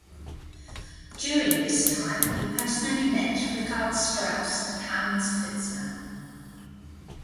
During this time he personally met Richard Strauss and Hans Pfitzner.